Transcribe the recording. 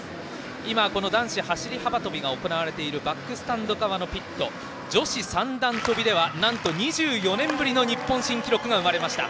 今、男子走り幅跳びが行われているバックスタンド側のピットで女子三段跳びではなんと２４年ぶりの日本新記録が生まれました。